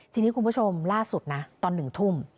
ทีนี้คุณผู้ชมล่าสุดนะตอน๑ทุ่ม